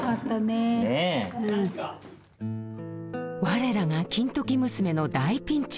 我らが金時娘の大ピンチ。